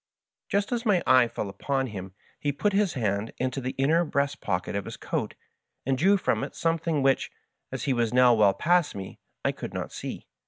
Just as my eye fell upon him he put his hand into the inner breast pocket of his coat, and drew from it something which, as he was now well past me, I could not see.